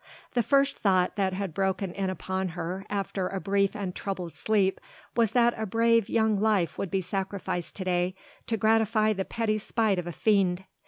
The first thought that had broken in upon her after a brief and troubled sleep was that a brave young life would be sacrificed to day to gratify the petty spite of a fiend.